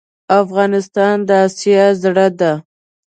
افغانستان د آسیا زړه ده.